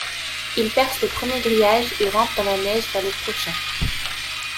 Ils percent le premier grillage, et rampent dans la neige vers le prochain.